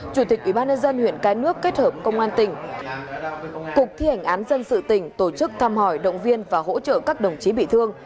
chủ tịch ubnd huyện cái nước kết hợp công an tỉnh cục thi hành án dân sự tỉnh tổ chức thăm hỏi động viên và hỗ trợ các đồng chí bị thương